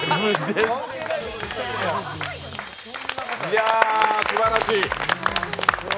いやあ、すばらしい。